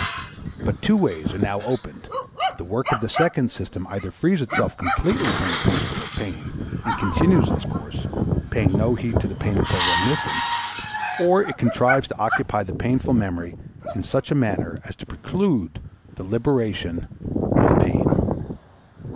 But two ways are now opened: the work of the second system either frees itself completely from the principle of pain and continues its course, paying no heed to the painful reminiscence, or it contrives to occupy the painful memory in such a manner as to preclude the liberation of pain.